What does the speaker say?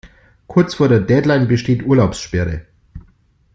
Kurz vor der Deadline besteht Urlaubssperre.